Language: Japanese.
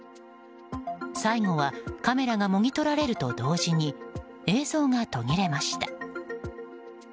最後はカメラがもぎ取られると同時に映像が途切れました。